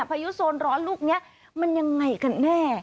พายุโซนร้อนลูกนี้มันยังไงกันแน่